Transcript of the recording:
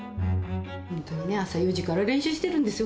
朝４時から練習してるんですよ。